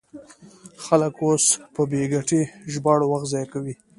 خلک اوس په بې ګټې ژباړو وخت ضایع کوي.